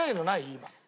今。